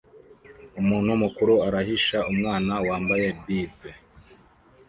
Umuntu mukuru arahisha umwana wambaye bib